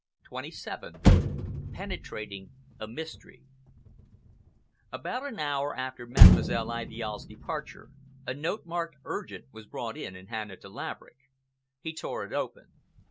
CHAPTER XXVII PENETRATING A MYSTERY About an hour after Mademoiselle Idiale's departure a note marked "Urgent" was brought in and handed to Laverick. He tore it open.